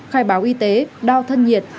khai báo y tế đao thân nhiệt